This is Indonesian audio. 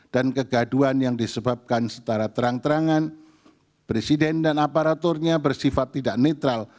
dan kegaduan yang disebabkan secara terang terangan presiden dan aparaturnya bersifat tidak netral